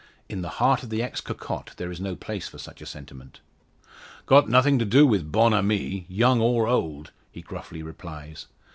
In the heart of the ex cocotte there is no place for such a sentiment. "Got nothing to do with bonnes amies, young or old," he gruffly replies.